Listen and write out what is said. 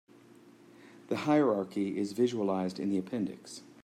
The hierarchy is visualized in the appendix.